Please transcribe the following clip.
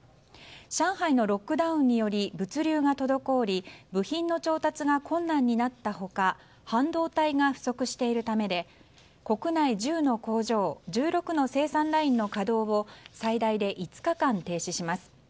上海のロックダウンにより物流が滞り部品の調達が困難になった他半導体が不足しているためで国内１０の工場１６の生産ラインの稼働を最大で５日間停止します。